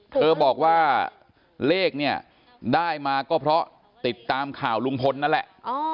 เธอบอกว่าเลขเนี่ยได้มาก็เพราะติดตามข่าวลุงพลนั่นแหละ